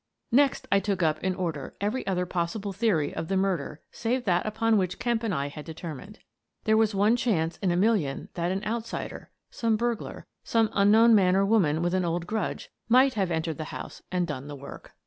Next I took up, in order, every other possible theory of the murder save that upon which Kemp and I had determined. There was one chance in a million that an outsider — some burglar, some un known man or woman with an old grudge — might have entered the house and done the work.